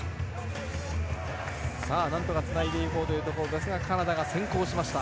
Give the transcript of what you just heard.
何とかつないでいこうというところですがカナダが先行しました。